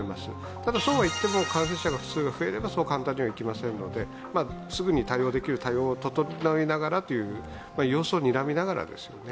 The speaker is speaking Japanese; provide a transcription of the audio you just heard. ただ、そうはいっても感染者数が増えればそう簡単にはいきませんので、すぐに対応できる対応を整えながら、様子をにらみながらですね。